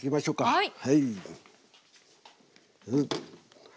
はい。